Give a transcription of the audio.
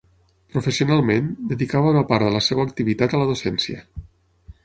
Professionalment, dedicà bona part de la seva activitat a la docència.